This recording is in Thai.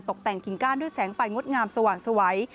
ตกแต่งกิ่งก้านด้วยแสงไฟงดงามสว่างสวัย